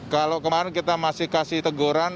kalau kemarin kita masih kasih teguran